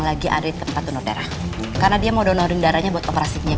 sampai jumpa di video selanjutnya